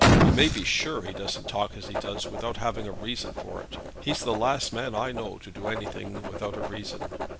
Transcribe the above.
You may be sure he doesn't talk as he does without having a reason for it. He's the last man I know to do anything without a reason."